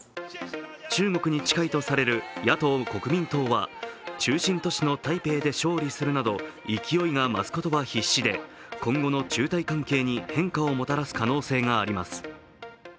中国に近いとされる野党・国民党は、中心都市の台北で勝利するなど勢いが増すことは必至で今後の中台関係に変化をもたらす可能性があります。